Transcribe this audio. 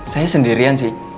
saya sendirian sih